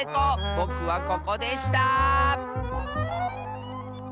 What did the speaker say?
ぼくはここでした！